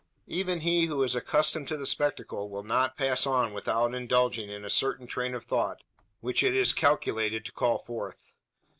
Even he who is accustomed to the spectacle will not pass on without indulging in a certain train of thought which it is calculated to call forth.